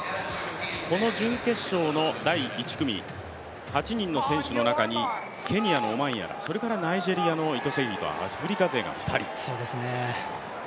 この準決勝の第１組、８人の選手の中にケニアのオマンヤラ、それからナイジェリアのイトセキリとアフリカ勢が２人。